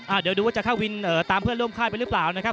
เดี๋ยวดูว่าจะเข้าวินเอ่อตามเพื่อนร่วมค่ายไปหรือเปล่านะครับ